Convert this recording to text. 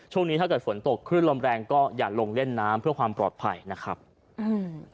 ช่วงนี้ถ้าเกิดฝนตกขึ้นลมแรงก็อย่าลงเล่นน้ำเพื่อความปลอดภัยนะครับอืม